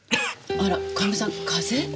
あら神戸さん風邪？